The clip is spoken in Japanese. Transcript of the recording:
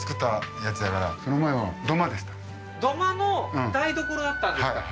はい土間の台所だったんですか？